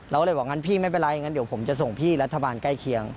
เราก็เลยบอกงั้นพี่ไม่เป็นไรงั้นเดี๋ยวผมจะส่งพี่รัฐบาลใกล้เคียง